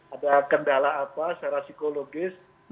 ada kendala apa secara psikologis